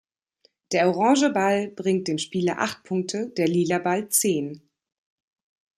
Der orange Ball bringt dem Spieler acht Punkte, der lila Ball zehn.